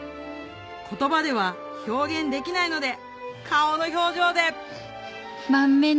言葉では表現できないので顔の表情で・ハハハ！